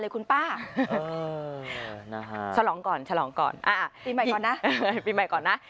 เออนะฮะฉลองก่อนฉลองก่อนอ่าอ่าปีใหม่ก่อนน่ะอ่าปีใหม่ก่อนน่ะ